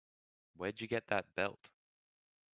Where'd you get that belt?